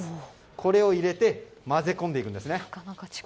これを入れて混ぜ込んでいくんですね。